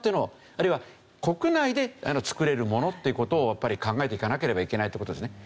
あるいは国内で作れるものっていう事をやっぱり考えていかなければいけないって事ですね。